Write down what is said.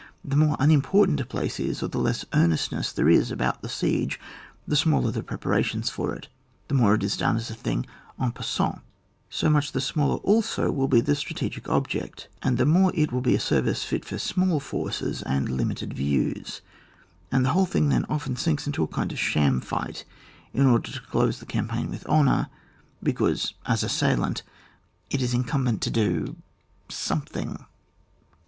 The more unimportant a place is, or the less earnestness there is about the siege, the smaller the preparations for it, the more it is done as a thing en passant^ so much the smaller also will be tlie strategic object, and the more it will be a service fit for small forces and limited views ; and the whole thing then often sinks into a kind of sham fight, in order to close the' campaign with honour, because as assail ant it is incumbent to do something.